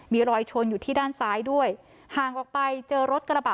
มีรอยชนอยู่ที่ด้านซ้ายด้วยห่างออกไปเจอรถกระบะ